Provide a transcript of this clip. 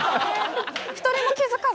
１人も気付かず？